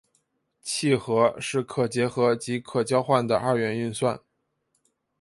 楔和是可结合及可交换的二元运算。